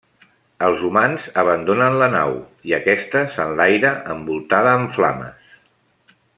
Els humans abandonen la nau, i aquesta s'enlaira envoltada en flames.